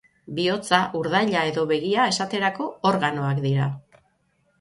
Bihotza, urdaila edo begia, esaterako, organoak dira.